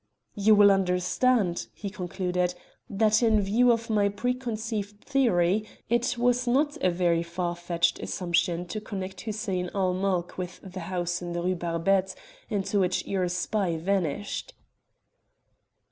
"You will understand," he concluded, "that, in view of my preconceived theory, it was not a very far fetched assumption to connect Hussein ul Mulk with the house in the Rue Barbette into which your spy vanished."